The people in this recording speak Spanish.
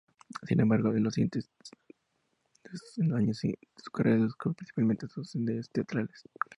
Sin embargo, en los años siguientes su carrera discurrió principalmente en los escenarios teatrales.